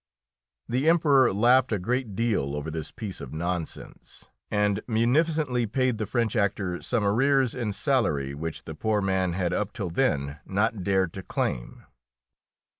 The Emperor laughed a great deal over this piece of nonsense, and munificently paid the French actor some arrears in salary which the poor man had up till then not dared to claim.